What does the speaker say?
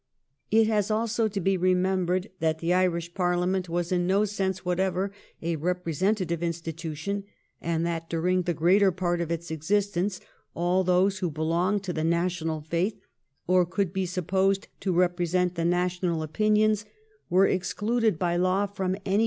It has also to be remembered that the Irish Parliament was in no sense whatever a repre sentative institution, and that during the greater part of its existence aU those who belonged to the national faith, or could be supposed to represent the national opinions, were e;^cluded by law from any 198 THE REIGN OF QUEEN ANNE. ch. xxx.